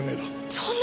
そんな！